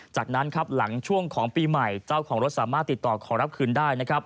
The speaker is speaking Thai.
จากนั้นครับหลังช่วงของปีใหม่เจ้าของรถสามารถติดต่อขอรับคืนได้นะครับ